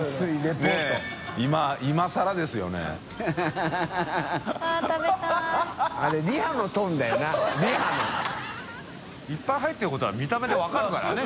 戸次）いっぱい入ってることは見た目で分かるからね